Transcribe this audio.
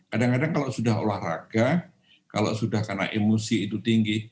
kadang kadang kalau sudah olahraga kalau sudah karena emosi itu tinggi